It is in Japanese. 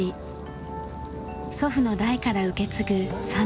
祖父の代から受け継ぐ３代目です。